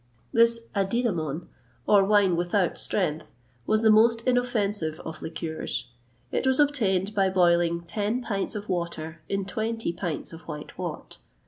This adynamon, or wine without strength, was the most inoffensive of liqueurs. It was obtained by boiling ten pints of water in twenty pints of white wort.